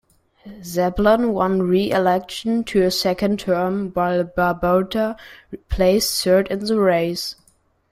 Sablan won re-election to a second term, while Babauta placed third in the race.